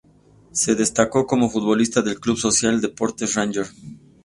Se destacó como futbolista del Club Social de Deportes Rangers.